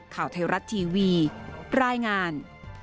ข่าวไทยรัฐทีวีรายงาน